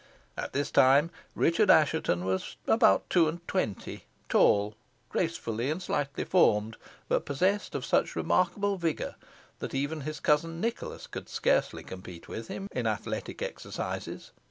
At this time, Richard Assheton was about two and twenty, tall, gracefully and slightly formed, but possessed of such remarkable vigour, that even his cousin Nicholas could scarcely compete with him in athletic exercises.